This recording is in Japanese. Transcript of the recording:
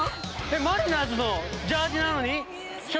マリナーズのジャージなのに。